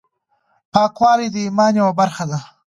پاکوالی د ایمان یوه برخه ده۔